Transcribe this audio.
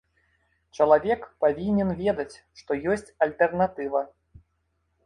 Чалавек павінен ведаць, што ёсць альтэрнатыва.